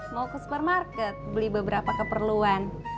mau ke supermarket beli beberapa keperluan